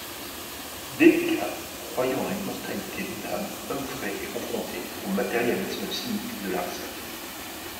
Délicat, croyant à l'immortalité de l'âme, Humphrey est confronté au matérialisme cynique de Larsen.